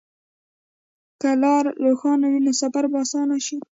که لار روښانه وي، نو سفر به اسانه شي.